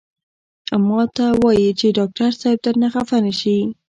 او ماته وائي چې ډاکټر صېب درنه خفه نشي " ـ